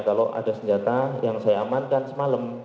kalau ada senjata yang saya amankan semalam